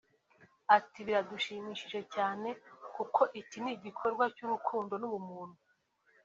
Ati “ Biradushimishije cyane kuko iki ni igikorwa cy’urukundo n’ubumuntu